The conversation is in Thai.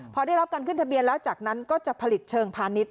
พอได้รับการขึ้นทะเบียนแล้วจากนั้นก็จะผลิตเชิงพาณิชย